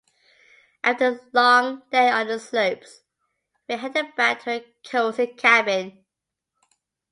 After a long day on the slopes, we headed back to our cozy cabin.